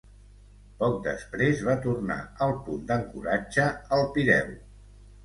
Poc després, va tornar al punt d'ancoratge al Pireu.